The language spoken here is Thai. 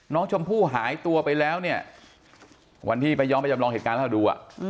น้องชมพู่หายตัวไปแล้ววันที่ประยอมไปจำลองเหตุการณ์แล้วดู